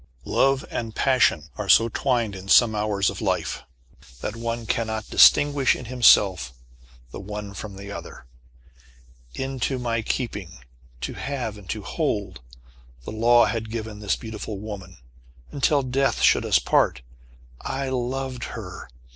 Love and passion are so twinned in some hours of life that one cannot distinguish in himself the one from the other. Into my keeping "to have and to hold," the law had given this beautiful woman, "until death should us part." I loved her!